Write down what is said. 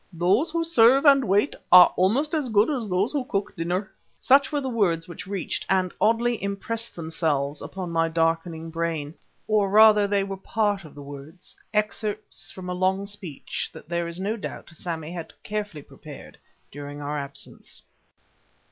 Those who serve and wait are almost as good as those who cook dinner." Such were the words which reached and, oddly enough, impressed themselves upon my darkening brain. Or rather they were part of the words, excerpts from a long speech that there is no doubt Sammy had carefully prepared during our absence.